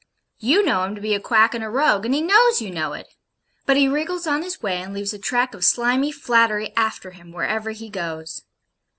You know him to be a quack and a rogue, and he knows you know it. But he wriggles on his way, and leaves a track of slimy flattery after him wherever he goes.